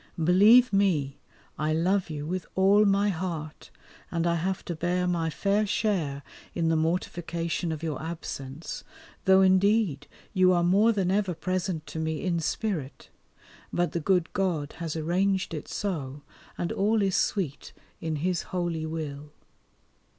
Believe me, I love you with all my heart, and I have to bear my fair share in the mortification of your absence, though indeed you are more than ever present to me in spirit; but the good God has arranged it so, and all is sweet in His holy will.